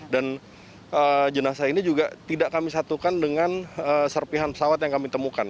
dan jenazah ini juga tidak kami satukan dengan serpihan pesawat yang kami temukan